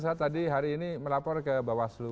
saya tadi hari ini melapor ke bawaslu